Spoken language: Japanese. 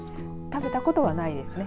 食べたことはないですね。